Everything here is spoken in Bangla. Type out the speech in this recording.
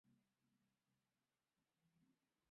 কিন্তু আকাশের স্তম্ভও হয় না এবং তা বহনও করা হয় না।